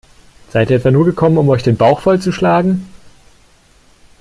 Seid ihr etwa nur gekommen, um euch den Bauch voll zu schlagen?